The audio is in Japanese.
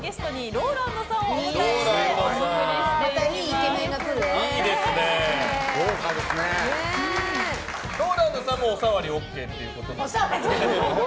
ＲＯＬＡＮＤさんもお触りＯＫということで？